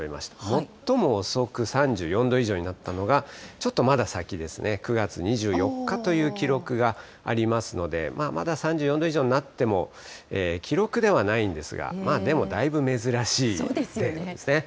最も遅く３４度以上になったのが、ちょっとまだ先ですね、９月２４日という記録がありますので、まだ３４度以上になっても、記録ではないんですが、まあでもだいぶ珍しいということですね。